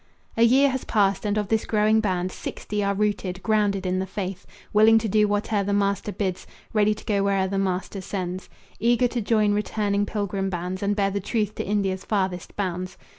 A year has passed, and of this growing band Sixty are rooted, grounded in the faith, Willing to do whate'er the master bids, Ready to go where'er the master sends, Eager to join returning pilgrim bands And bear the truth to India's farthest bounds.